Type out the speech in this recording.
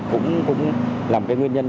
cũng làm cái nguyên nhân